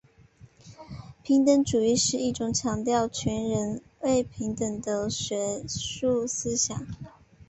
平等主义是一种强调全人类平等的学术思想。